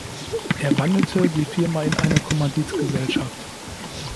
Er wandelte die Firma in eine Kommanditgesellschaft.